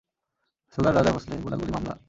Sugar Raja Bhonsle, গোলাগুলি মামলা।